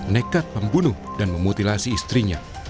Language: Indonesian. nekat membunuh dan memutilasi istrinya